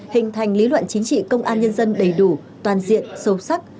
hình thành lý luận chính trị công an nhân dân đầy đủ toàn diện sâu sắc